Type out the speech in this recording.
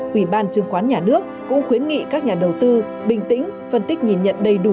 quỹ ban chứng khoán nhà nước cũng khuyến nghị các nhà đầu tư bình tĩnh phân tích nhìn nhận đầy đủ